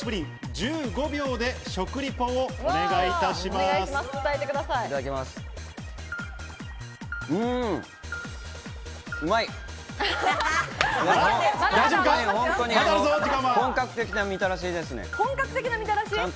１５秒で食リポをお願いいだだきます。